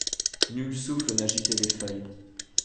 Nul souffle n’agitait les feuilles